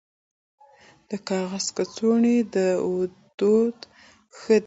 د کاغذ کڅوړې دودول ښه دي